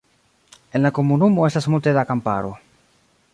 En la komunumo estas multe da kamparo.